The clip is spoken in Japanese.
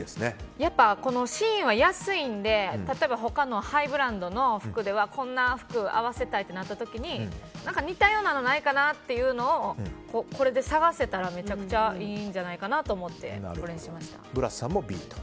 やっぱりＳＨＥＩＮは安いので、例えば他のハイブランドの服ではこんな服を合わせたいってなった時に似たようなのないかなというのをこれで探せたらめちゃくちゃいいんじゃないかなブラスさんもＢ。